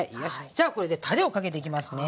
じゃあこれでたれをかけていきますね。